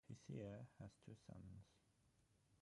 Hsieh has two sons.